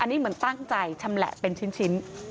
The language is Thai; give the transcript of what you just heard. อันนี้เหมือนตั้งใจชำแหละเป็นชิ้น